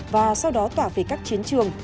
và sau đó tỏa về các chiến trường